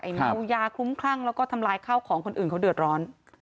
เมายาคลุ้มคลั่งแล้วก็ทำลายข้าวของคนอื่นเขาเดือดร้อน